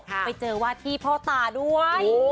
ไปเจอว่าที่พ่อตาด้วย